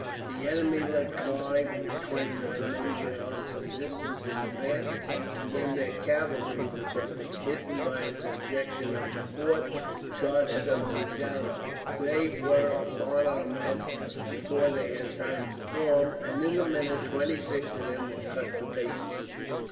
The enemy let Clive and his twenty nine men get on some distance in advance, and then their cavalry, who had been hidden by a projection of the fort, charged suddenly down on him. They were upon our men before they had time to form, and in a minute twenty six of them were cut to pieces.